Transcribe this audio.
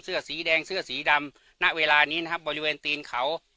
เสื้อสีแดงเสื้อสีดำณเวลานี้นะครับบริเวณตีนเขา